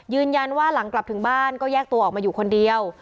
หลังกลับถึงบ้านก็แยกตัวออกมาอยู่คนเดียว